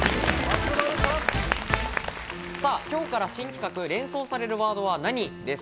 今日から新企画「連想されるワードは何！？」です。